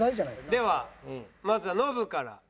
ではまずはノブから。